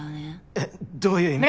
えっどういう意味。